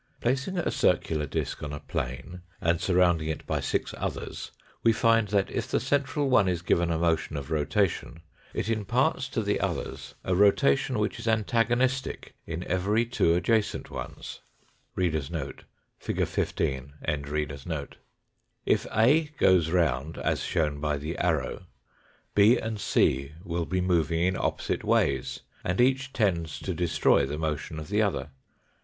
Placing a circular disk on a plane and surrounding it by six others, we find that if the central one is given a motion of rotation, it imparts to the others a rotation which is antagonistic in every two ad jacent ones. If A goes round, as shown by the arrow, B and C will be moving in opposite ways, and each tends to de stroy the motion of the other.